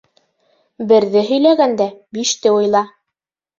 Берҙе һөйләгәндә биште уйла.